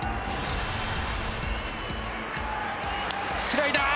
スライダー！